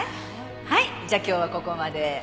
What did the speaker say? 「はいじゃあ今日はここまで」